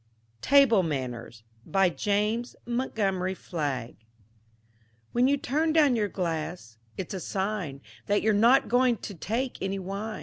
TABLE MANNERS BY JAMES MONTGOMERY FLAGG When you turn down your glass, it's a sign That you're not going to take any wign.